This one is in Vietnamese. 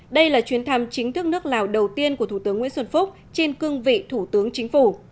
đây là chuyến thăm chính thức nước lào đầu tiên của thủ tướng nguyễn xuân phúc trên cương vị thủ tướng chính phủ